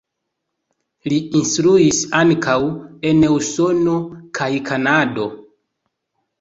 Li instruis ankaŭ en Usono kaj Kanado.